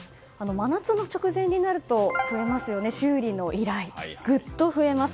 真夏の直前になりますと修理の依頼がぐっと増えます。